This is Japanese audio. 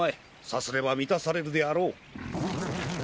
さすれば満たされるであろう。